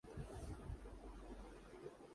ہم بد صورت کہنا نہیں چاہتے